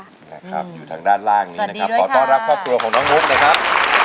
น้องหนึ่งคนค่ะอยู่ทางด้านล่างนี้นะครับสวัสดีด้วยค่ะขอต้อนรับพ่อครัวของน้องนุ๊กนะครับ